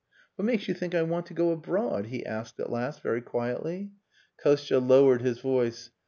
"What makes you think I want to go abroad?" he asked at last very quietly. Kostia lowered his voice.